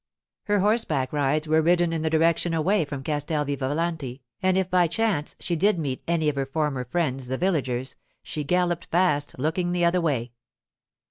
Her horseback rides were ridden in the direction away from Castel Vivalanti, and if, by chance, she did meet any of her former friends the villagers, she galloped past, looking the other way.